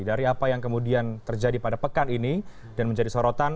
dari apa yang kemudian terjadi pada pekan ini dan menjadi sorotan